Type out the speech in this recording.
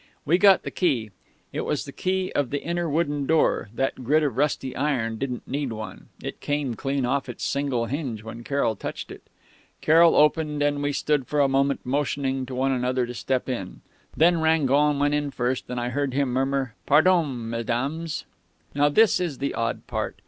"We got the key. It was the key of the inner wooden door that grid of rusty iron didn't need one it came clean off its single hinge when Carroll touched it. Carroll opened, and we stood for a moment motioning to one another to step in. Then Rangon went in first, and I heard him murmur 'Pardon, Mesdames.'... "Now this is the odd part.